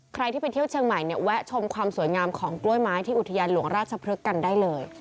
ใครที่ไปเที่ยวเชียงใหม่เนี่ยแวะชมความสวยงามของกล้วยไม้ที่อุทยานหลวงราชพฤกษ์กันได้เลย